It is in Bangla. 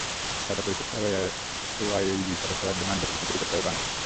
চাঁদা পরিশোধ ছাড়াও এআইআইবির সদস্য হওয়ার জন্য আইনগত ভিত্তি তৈরি করতে হবে বাংলাদেশকে।